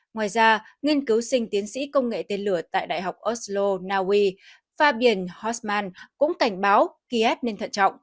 ngoài ra nghiên cứu sinh tiến sĩ công nghệ tên lửa tại đại học oslo naui fabien hosman cũng cảnh báo kiev nên thận trọng